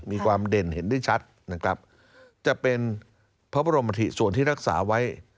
มีความเด่นเห็นได้ชัดนะครับ